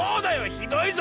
ひどいぞ！